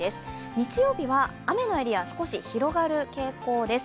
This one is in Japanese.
日曜日は雨のエリア、少し広がる傾向です。